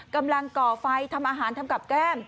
กำลังก่อไฟทำอาหารทำกับแก้ม